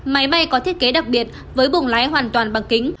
máy bay có thiết kế đặc biệt với bùng lái hoàn toàn bằng kính